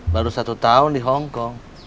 baru satu tahun di hongkong